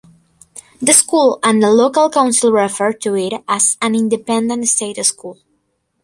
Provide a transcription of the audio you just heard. The school and the local council refer to it as an independent state school.